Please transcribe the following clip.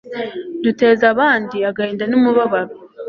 duteza abandi agahinda n'umubabaro